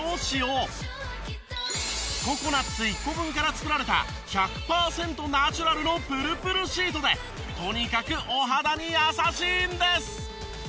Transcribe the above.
ココナッツ１個分から作られた１００パーセントナチュラルのプルプルシートでとにかくお肌に優しいんです。